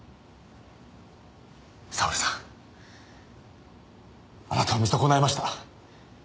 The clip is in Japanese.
沙織さんあなたを見損ないました。